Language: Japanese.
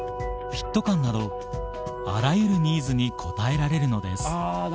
フィット感などあらゆるニーズに応えられるのです